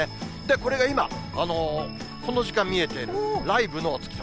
これが今、この時間見えてるライブのお月様。